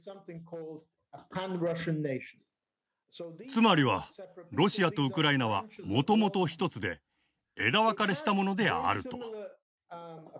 つまりはロシアとウクライナはもともと一つで枝分かれしたものであると。